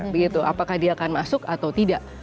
begitu apakah dia akan masuk atau tidak